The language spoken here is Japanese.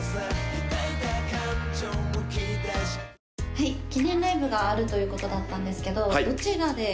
はい記念ライブがあるということだったんですけどどちらで？